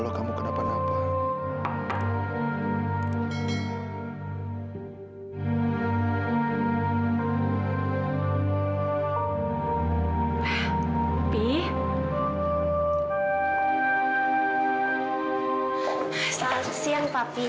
aku gak punya kesempatan